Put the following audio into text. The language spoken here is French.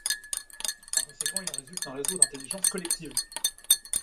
Par conséquent il en résulte un réseau d'intelligence collective.